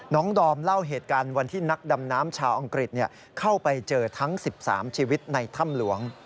ดอมเล่าเหตุการณ์วันที่นักดำน้ำชาวอังกฤษเข้าไปเจอทั้ง๑๓ชีวิตในถ้ำหลวง